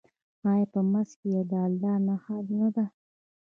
آیا په منځ کې یې د الله نښه نه ده؟